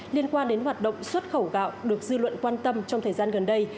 liên quan đến hoạt động xuất khẩu gạo được dư luận quan tâm trong thời gian gần đây